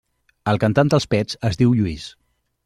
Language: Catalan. El cantant dels Pets es diu Lluís.